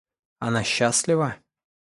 Она счастлива?